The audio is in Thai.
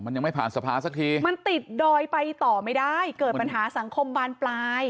มันยังไม่ผ่านสภาสักทีมันติดดอยไปต่อไม่ได้เกิดปัญหาสังคมบานปลาย